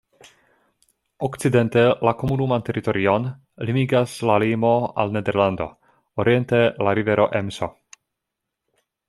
Okcidente la komunuman teritorion limigas la limo al Nederlando, oriente la rivero Emso.